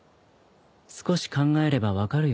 少し考えれば分かるよね？